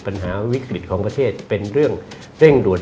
ปัญหาวิกฤตของประเทศเป็นเรื่องเร่งด่วน